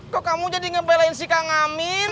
kok kamu jadi ngebelain si kang amin